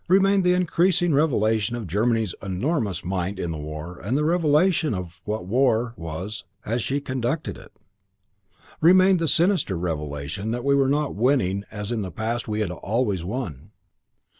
Remained the increasing revelation of Germany's enormous might in war and the revelation of what war was as she conducted it. Remained the sinister revelation that we were not winning as in the past we had "always won."